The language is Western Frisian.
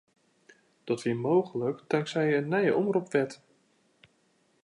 Dat wie mooglik tanksij in nije omropwet.